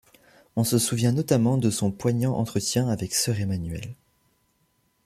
On se souvient notamment de son poignant entretien avec Sœur Emmanuelle.